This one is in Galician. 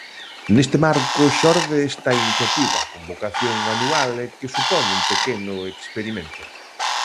Neste marco xorde esta iniciativa con vocación anual e que supón un pequeno experimento.